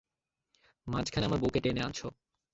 মাঝখানে আমার বউকে টেনে আনছো।